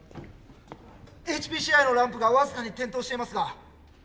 ＨＰＣＩのランプが僅かに点灯していますが。